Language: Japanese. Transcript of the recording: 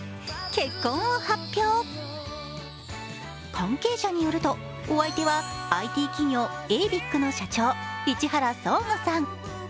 関係者によるとお相手はＩＴ企業、ＡＶｉＣの社長、市原創吾さん。